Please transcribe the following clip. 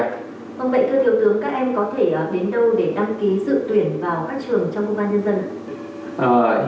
vâng vậy thưa thượng tướng các em có thể đến đâu để đăng ký sự tuyển vào các trường trong công an nhân dân